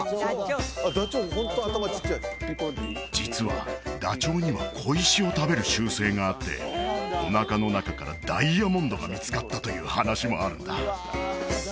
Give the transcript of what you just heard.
実はダチョウには小石を食べる習性があっておなかの中からダイヤモンドが見つかったという話もあるんだ